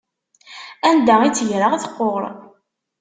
Anda i tt-greɣ teqquṛ.